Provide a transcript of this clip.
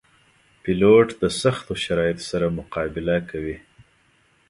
پیلوټ د سختو شرایطو سره مقابله کوي.